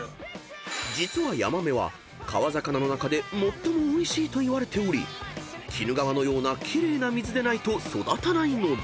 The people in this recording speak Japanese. ［実はヤマメは川魚の中で最もおいしいといわれており鬼怒川のような奇麗な水でないと育たないのだ］